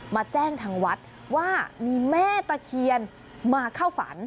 มาแจ้งทางวัดว่ามีแม่ตะเคียนมาเข้าฝัน